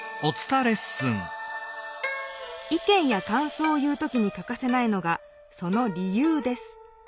い見やかんそうを言う時にかかせないのがその理由です。